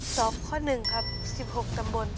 สอบข้อหนึ่งครับ๑๖ตำบล